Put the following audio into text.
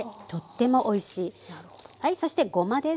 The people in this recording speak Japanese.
そしてごまです。